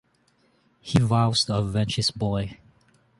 He vows to avenge his boy.